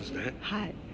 はい。